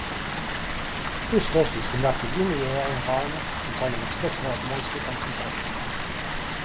This test is conducted in an air environment containing a specified moisture concentration.